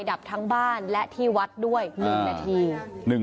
ดับทั้งบ้านและที่วัดด้วย๑นาที